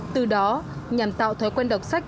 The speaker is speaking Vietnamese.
từ đó nhằm tạo thói quen đọc sách